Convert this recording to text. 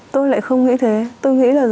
tôi lại không nghĩ thế tôi nghĩ là